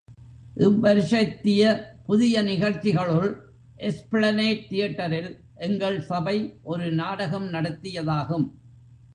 இவ் வருஷத்திய புது நிகழ்ச்சிகளுள் எஸ்பிளநேட் தியேட்டரில், எங்கள் சபை ஒரு நாடகம் நடத்தியதாகும்.